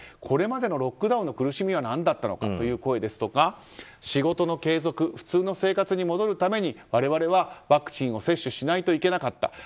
これまでのロックダウンの苦しみは何だったのかという声ですとか仕事の継続、普通の生活に戻るために我々はワクチンを接種しないといけなかった。